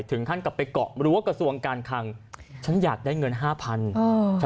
ถึงท่านไปเกาะการคลังท่านอยากได้เงิน๕๐๐๐บาท